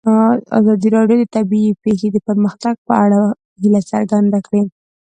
ازادي راډیو د طبیعي پېښې د پرمختګ په اړه هیله څرګنده کړې.